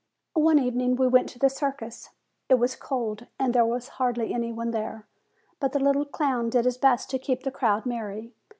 One evening we went to the circus. It was cold, and there was hardly any one there; but the little clown did his best to keep the crowd merry.